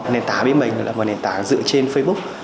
nền tảng bên mình là một nền tảng dựa trên facebook